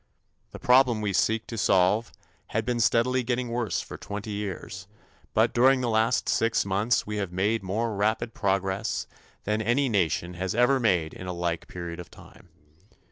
The problem we seek to solve had been steadily getting worse for twenty years, but during the last six months we have made more rapid progress than any nation has ever made in a like period of time.